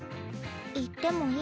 行ってもいい？